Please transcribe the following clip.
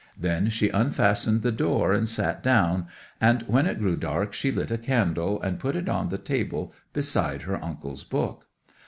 Then she unfastened the door and sat down, and when it grew dark she lit a candle, and put it on the table beside her uncle's book.